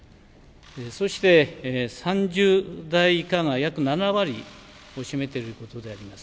そして、３０代以下が約７割を占めているということであります。